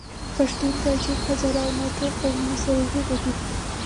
پښتون ، تاجک ، هزاره او نور ټول قومونه سره وروڼه دي.